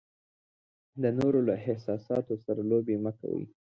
د نورو له احساساتو سره لوبې مه کوئ.